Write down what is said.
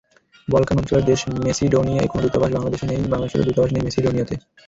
Balkan অঞ্চলের দেশ মেসিডোনিয়ার কোনো দূতাবাস বাংলাদেশে নেই, বাংলাদেশেরও দূতাবাস নেই মেসিডোনিয়াতে।